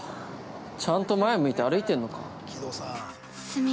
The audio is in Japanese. ちゃんと前向いて歩いてんのか。